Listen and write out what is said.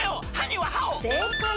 せいかい。